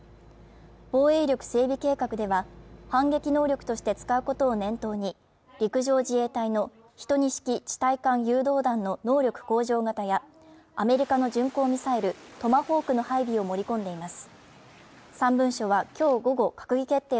防衛力整備計画では反撃能力として使うことを念頭に陸上自衛隊の１２式地対艦誘導弾の能力向上型やアメリカの巡航ミサイルトマホークの配備を盛り込んでいます